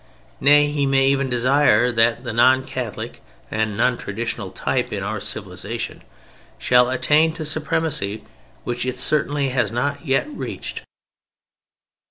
Nay, he may even desire that the non Catholic and non traditional type in our civilization shall attain to a supremacy which it certainly has not yet reached.